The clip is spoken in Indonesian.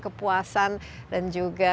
kepuasan dan juga